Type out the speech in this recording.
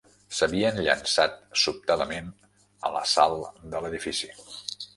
S'havien llançat sobtadament a l'assalt de l'edifici